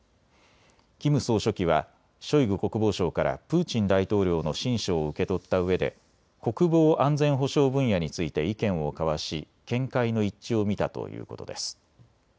キム総書記はショイグ国防相からプーチン大統領の親書を受け取ったうえで国防・安全保障分野について意見を交わし見解の一致を見たということです。